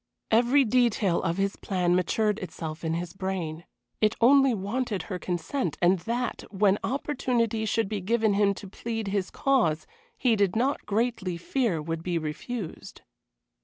Every detail of his plan matured itself in his brain. It only wanted her consent, and that, when opportunity should be given him to plead his cause, he did not greatly fear would be refused.